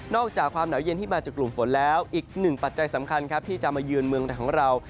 อกจากความหนาวเย็นที่มาจากกลุ่มฝนแล้วอีกหนึ่งปัจจัยสำคัญครับที่จะมาเยือนเมืองของเรา